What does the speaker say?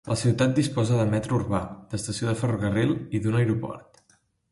La ciutat disposa de metro urbà, d'estació de ferrocarril i d'un aeroport.